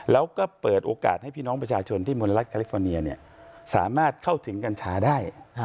แล้วก็เปิดโอกาสให้พี่น้องประชาชนที่มนรัฐแคลิฟอร์เนียสามารถเข้าถึงกัญชาได้